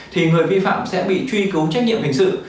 thì người vi phạm sẽ bị truy cứu trách nhiệm hình sự